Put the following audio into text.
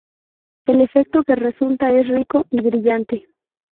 El efecto que resulta es rico y brillante.